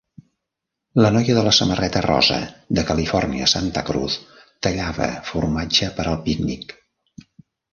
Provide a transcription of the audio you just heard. La noia de la samarreta rosa de California Santa Cruz tallava formatge per al pícnic.